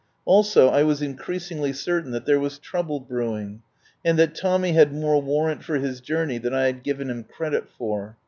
Also I was increasingly certain that there was trouble brewing, and that Tommy had more warrant for his journey than I had given him credit for.